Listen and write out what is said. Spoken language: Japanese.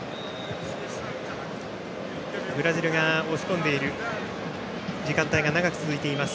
ブラジルが押し込んでいる時間帯長く続いています。